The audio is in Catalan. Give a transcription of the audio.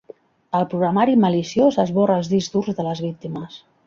El programari maliciós esborra els discs durs de les víctimes.